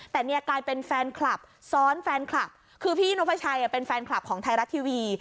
แต่เนี่ยกลายเป็นแฟนคลับซ้อนแฟนคลับคือพี่นกพระชัยเป็นแฟนคลับของไทยรัฐทีวี